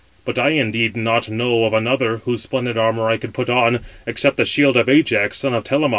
But I indeed know not of another, whose splendid armour I could put on, 582 except the shield of Ajax, son of Telamon."